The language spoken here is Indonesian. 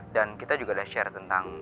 dan kita juga udah share tentang